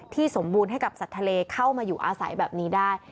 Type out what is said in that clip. สมบูรณ์ให้กับสัตว์ทะเลเข้ามาอยู่อาศัยแบบนี้ได้